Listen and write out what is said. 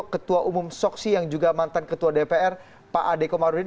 ketua umum soksi yang juga mantan ketua dpr pak ade komarudin